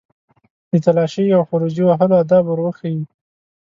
د تالاشۍ او خروجي وهلو آداب ور وښيي.